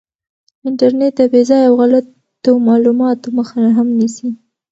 انټرنیټ د بې ځایه او غلطو معلوماتو مخه هم نیسي.